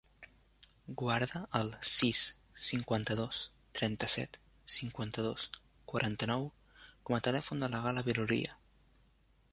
Guarda el sis, cinquanta-dos, trenta-set, cinquanta-dos, quaranta-nou com a telèfon de la Gal·la Viloria.